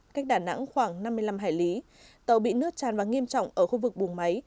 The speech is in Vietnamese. cách đà nẵng khoảng năm mươi năm hải lý tàu bị nước tràn vào nghiêm trọng ở khu vực buồng máy